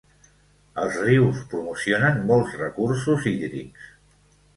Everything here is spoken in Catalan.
Els rius promocionen molts recursos hídrics.